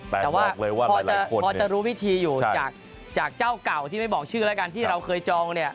แต่ว่าพอจะรู้วิธีอยู่จากเจ้าเก่าที่ไม่บอกชื่อแล้วกันที่เราเคยจองเนี่ย